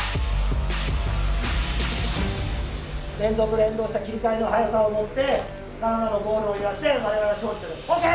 連続連動した切り替えの速さをもってカナダのゴールを揺らして我々の勝利と。ＯＫ？